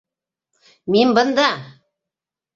—Мин бында!